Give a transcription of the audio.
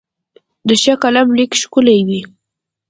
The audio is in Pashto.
د ښه قلم لیک ښکلی وي.